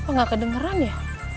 nggak kedengeran ya